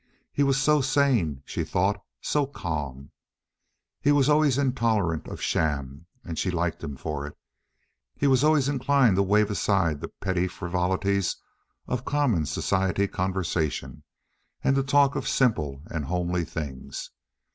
He was so sane, she thought, so calm. He was always intolerant of sham, and she liked him for it. He was inclined to wave aside the petty little frivolities of common society conversation, and to talk of simple and homely things.